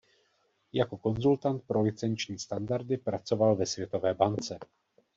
Jako konzultant pro licenční standardy pracoval ve Světové bance.